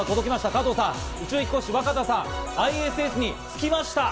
加藤さん、宇宙飛行士・若田さん、ＩＳＳに着きました。